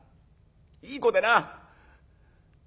いい子でな。